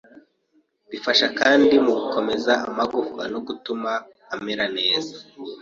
bifasha kandi mu gukomeza amagufa no gutuma amera neza